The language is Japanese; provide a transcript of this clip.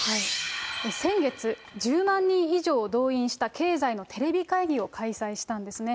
先月、１０万人以上を動員した経済のテレビ会議を開催したんですね。